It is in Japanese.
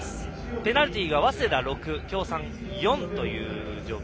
ペナルティーが早稲田６京産４という状況。